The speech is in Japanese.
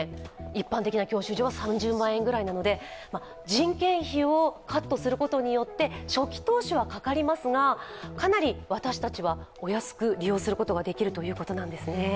人件費をカットすることによって初期投資はかかりますが、かなり私たちはお安く利用することができるということなんですね。